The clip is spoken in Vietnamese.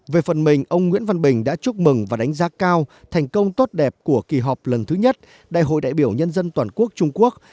về phần mình ông nguyễn văn bình đã chúc mừng và đánh giá cao thành công tốt đẹp của kỳ họp lần thứ nhất đại hội đại biểu nhân dân toàn quốc trung quốc